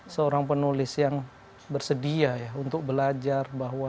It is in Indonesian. seorang penulis yang bersedia untuk belajar